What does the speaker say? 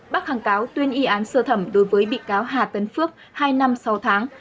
bác khẳng cáo tuyên ý án sơ thẩm đối với bị cáo hà tấn phước hai năm sáu tháng